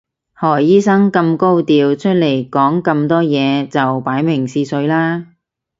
何醫生咁高調出嚟講咁多嘢就擺明試水啦